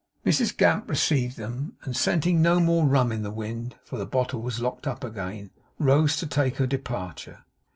Mrs Gamp received them, and scenting no more rum in the wind (for the bottle was locked up again) rose to take her departure.